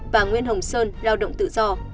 và nguyễn hồng sơn lao động tự do